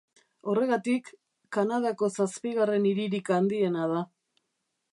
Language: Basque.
Horregatik, Kanadako zazpigarren hiririk handiena da.